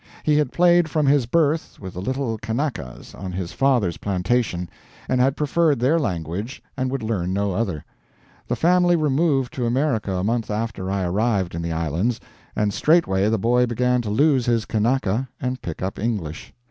He had played from his birth with the little Kanakas on his father's plantation, and had preferred their language and would learn no other. The family removed to America a month after I arrived in the islands, and straightway the boy began to lose his Kanaka and pick up English.